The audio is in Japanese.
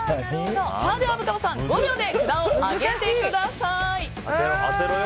虻川さん５秒で札を上げてください！